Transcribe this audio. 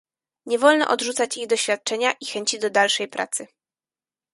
Nie wolno odrzucać ich doświadczenia i chęci do dalszej pracy